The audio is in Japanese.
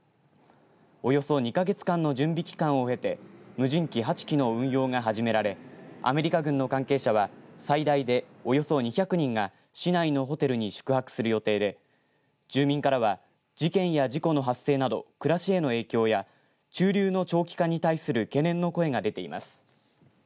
およそ２か月間の準備期間を経て無人機８機の運用が始められアメリカ軍の関係者は最大でおよそ２００人が市内のホテルに宿泊する予定で住民からは事件や事故の発生など暮らしへの影響や駐留の長期化に対する懸念の声が出ています。